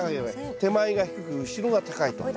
手前が低く後ろが高いと。